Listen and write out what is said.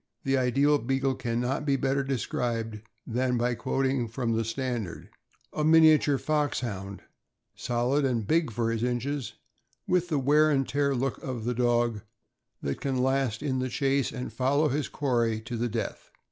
The ideal Beagle can not be better described than by quoting from the standard: "A miniature Foxhound, solid and big for his inches, with the wear and tear look of the dog that can THE BEAGLE HOUND. 283 last in the chase and follow his quarry to the death."